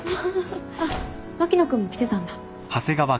あっ牧野君も来てたんだ。